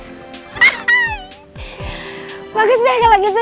bagus deh kalau gitu